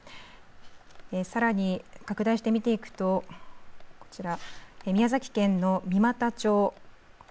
さらに拡大して見ていくとこちら宮崎県の三股町。